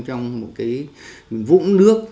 trong một cái vũng nước